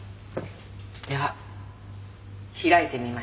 では開いてみましょうね。